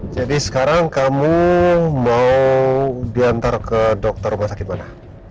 jadi sekarang kamu mau diantar ke dokter rumah sakit mana